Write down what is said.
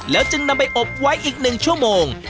แล้วจึงนำไปอบไว้อีกหนึ่งชั่วโมง